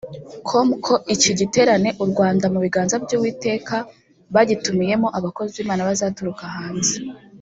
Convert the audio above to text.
com ko iki giterane 'U Rwanda mu biganza by'Uwiteka' bagitumiyemo abakozi b’Imana bazaturuka hanze